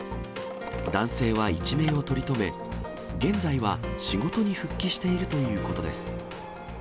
男性は一命を取り留め、現在は仕事に復帰しているということです。